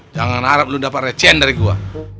jangan harap lu dapat recehan dari gua